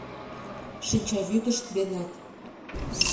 Шинчавӱдышт денат.